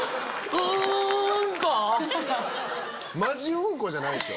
うんこじゃないでしょ？